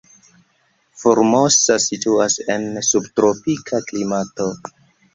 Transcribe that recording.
Formosa situas en subtropika klimato.